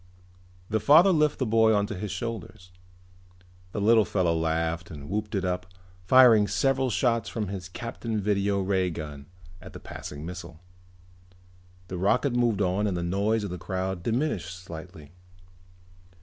The father lifted the boy onto his shoulders. The little fellow laughed and whooped it up, firing several shots from his Captain Video Ray gun at the passing missile. The rocket moved on and the noise of the crowd diminished slightly.